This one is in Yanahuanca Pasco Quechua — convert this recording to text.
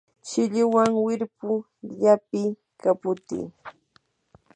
silluwan wirpu llapiy, kaputiy